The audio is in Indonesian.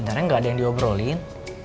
ehm sebenernya gak ada yang diobrolin